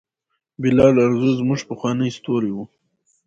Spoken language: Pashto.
بلال ارزو زموږ پخوانی ستوری و.